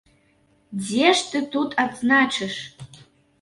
Дзе ж ты тут адзначыш?